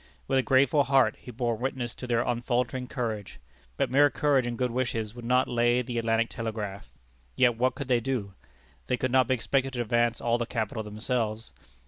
With a grateful heart he bore witness to their unfaltering courage. But mere courage and good wishes would not lay the Atlantic Telegraph. Yet what could they do? They could not be expected to advance all the capital themselves.